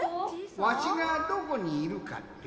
わしがどこにいるかって？